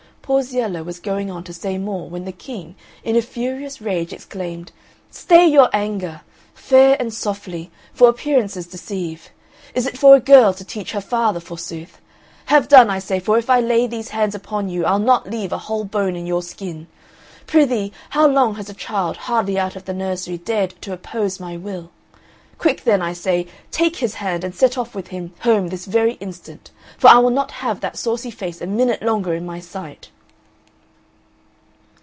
Porziella was going on to say more when the King in a furious rage exclaimed, "Stay your anger! Fair and softly, for appearances deceive. Is it for a girl to teach her father, forsooth? Have done, I say, for if I lay these hands upon you I'll not leave a whole bone in your skin. Prithee, how long has a child hardly out of the nursery dared to oppose my will? Quick then, I say, take his hand and set off with him home this very instant, for I will not have that saucy face a minute longer in my sight."